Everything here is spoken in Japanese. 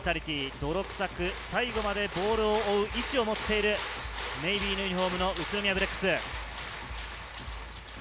泥臭く最後までボールを追う意志を持っている、ネイビーのユニホームの宇都宮ブレックス。